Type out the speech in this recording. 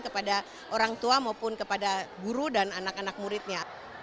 kepada orang tua maupun kepada guru dan anak anak muridnya